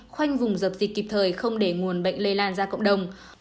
khoanh vùng dập dịch kịp thời không để nguồn bệnh lây lan ra cộng đồng